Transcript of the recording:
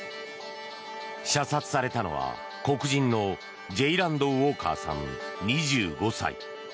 射殺されたのは、黒人のジェイランド・ウォーカーさん２５歳。